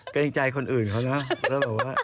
กระยิ่งใจคนอื่นเขานะ